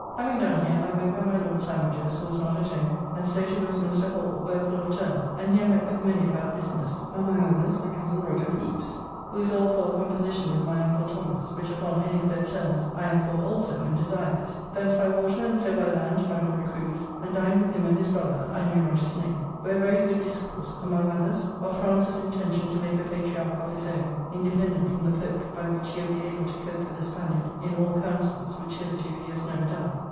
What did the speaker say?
Having done here I went by my Lord Sandwich's, who was not at home, and so to Westminster Hall, where full of term, and here met with many about business, among others my cozen Roger Pepys, who is all for a composition with my uncle Thomas, which upon any fair terms I am for also and desire it. Thence by water, and so by land to my Lord Crew's, and dined with him and his brother, I know not his name; where very good discourse; among others, of France's intention to make a patriarch of his own, independent from the Pope, by which he will be able to cope with the Spaniard in all councils, which hitherto he has never done.